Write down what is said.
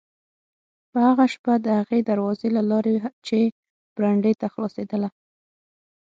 په هغه شپه د هغې دروازې له لارې چې برنډې ته خلاصېدله.